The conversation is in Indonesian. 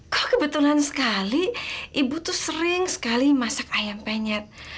kok kebetulan sekali ibu tuh sering sekali masak ayam penyet